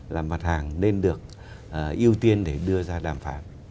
là mặt hàng nên được ưu tiên để đưa ra đàm phán